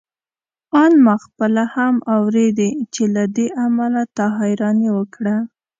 آن ما خپله هم اورېدې چې له دې امله تا حيراني وکړه.